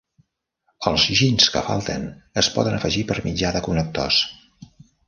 Els ginys que falten es poden afegir per mitjà de connectors.